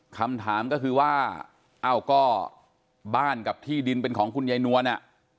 คำถามก็คือว่าเอ้าก็บ้านกับที่ดินเป็นของคุณยายนวลอ่ะ